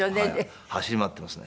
走り回ってますね。